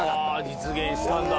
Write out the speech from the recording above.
実現したんだ。